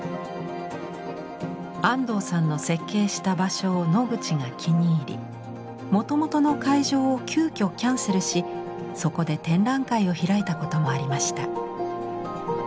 安藤さんの設計した場所をノグチが気に入りもともとの会場を急きょキャンセルしそこで展覧会を開いたこともありました。